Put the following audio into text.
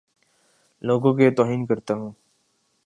لوگوں کے توہین کرتا ہوں